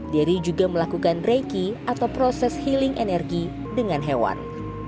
dery juga melakukan reki atau proses healing energi dengan hewan